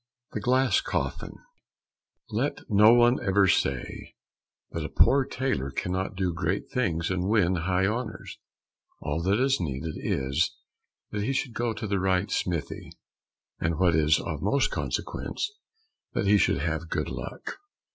163 The Glass Coffin Let no one ever say that a poor tailor cannot do great things and win high honors; all that is needed is that he should go to the right smithy, and what is of most consequence, that he should have good luck.